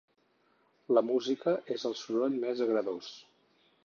La música és el soroll més agradós.